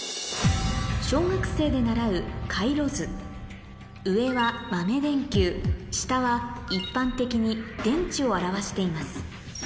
小学生で習う回路図上は豆電球下は一般的に電池を表しています